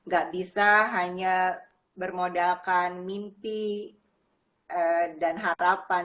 gak bisa hanya bermodalkan mimpi dan harapan